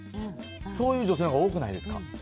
そういう女性のほうが多くないですか。